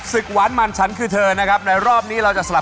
โชคความแม่นแทนนุ่มในศึกที่๒กันแล้วล่ะครับ